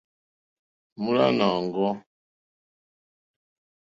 Mólánà òŋɡô.